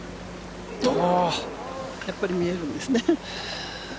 やっぱり見えるんですね。